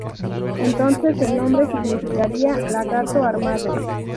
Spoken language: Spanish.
Entonces el nombre significaría "lagarto armado".